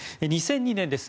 ２００２年です。